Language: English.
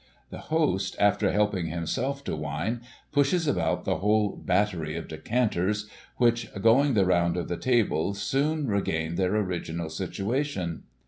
The host, after helping himself to wine, pushes about the whole * battery ' of decanters, which, going the round of the table, soon regain their original situation.